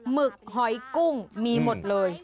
หึกหอยกุ้งมีหมดเลย